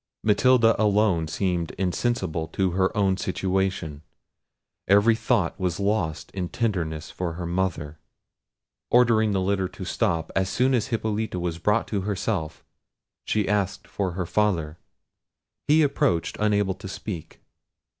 Matilda alone seemed insensible to her own situation: every thought was lost in tenderness for her mother. Ordering the litter to stop, as soon as Hippolita was brought to herself, she asked for her father. He approached, unable to speak.